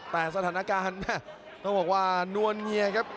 แต่สถานการณ์ต้องบอกว่านวลเนียครับ